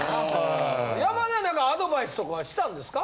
山根は何かアドバイスとかはしたんですか？